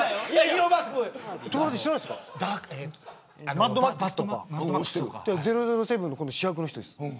マッドマックスとか００７の主役の人です。